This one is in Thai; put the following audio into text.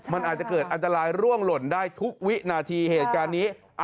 มันอาจจะเกิดอันตรายร่วงหล่นได้ทุกวินาทีเหตุการณ์นี้